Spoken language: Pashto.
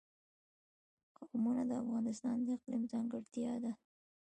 قومونه د افغانستان د اقلیم ځانګړتیا ده.